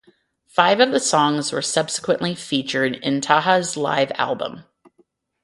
Five of the songs were subsequently featured in Taha's live album.